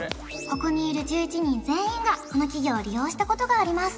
ここにいる１１人全員がこの企業を利用したことがあります